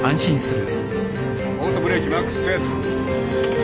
オートブレーキＭＡＸセット。